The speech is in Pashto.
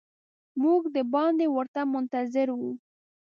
موږ د باندې ورته منتظر وو.